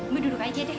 mbak duduk aja deh ya